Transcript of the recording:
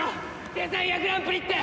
デザイアグランプリって！